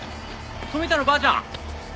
冨田のばあちゃん。